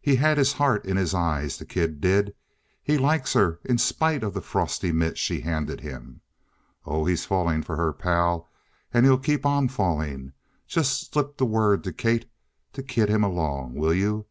He had his heart in his eyes, the kid did. He likes her, in spite of the frosty mitt she handed him. Oh, he's falling for her, pal and he'll keep on falling. Just slip the word to Kate to kid him along. Will you?